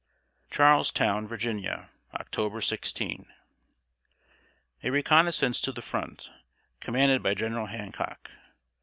CHARLESTOWN, VIRGINIA, October 16. A reconnoissance to the front, commanded by General Hancock.